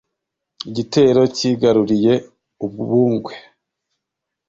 Igitero cyigaruriye u Bungwe